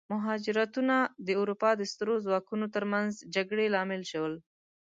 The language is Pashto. مهاجرتونه د اروپا د سترو ځواکونو ترمنځ جګړې لامل شول.